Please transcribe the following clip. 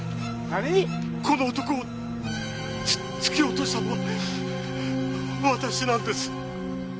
この男を突き落としたのは私なんです！